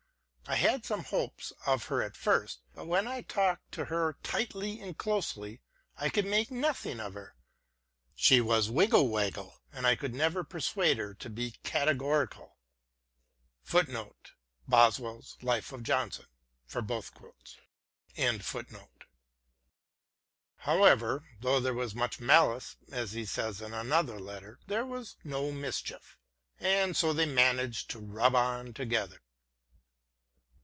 I had some hopes of her at first, but when I talked to her tightly and closely I could make nothing of her : she was wiggle waggle and I could never persuade her to be categorical." t However, though there was much malice, as he says in another letter, there was no mischief — and so they managed to rub on together.